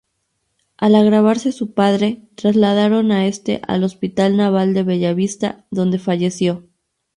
Al agravarse su padre, trasladaron a este al Hospital Naval de Bellavista, donde falleció.